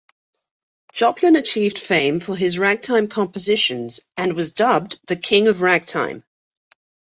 Joplin achieved fame for his ragtime compositions and was dubbed the "King of Ragtime".